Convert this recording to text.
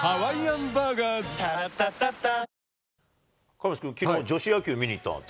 亀梨君、きのう女子野球見に行ったんだって。